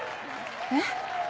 えっ？